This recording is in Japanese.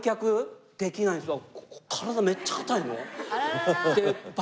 体めっちゃ硬いのよ。